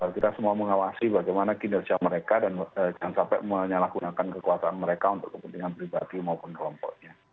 kita semua mengawasi bagaimana kinerja mereka dan jangan sampai menyalahgunakan kekuasaan mereka untuk kepentingan pribadi maupun kelompoknya